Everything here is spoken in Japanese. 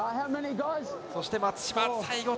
そして、松島、最後。